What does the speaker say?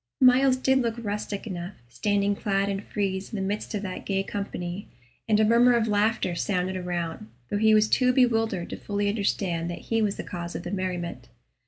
Myles did look rustic enough, standing clad in frieze in the midst of that gay company, and a murmur of laughter sounded around, though he was too bewildered to fully understand that he was the cause of the merriment.